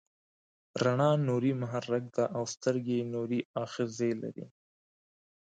رڼا نوري محرک ده او سترګه نوري آخذې لري.